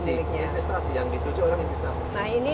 investasi yang dituju orang investasi